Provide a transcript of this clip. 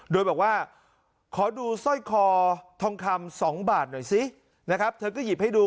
โดยบอกว่าขอดูสร้อยคอทองคำ๒บาทหน่อยสินะครับเธอก็หยิบให้ดู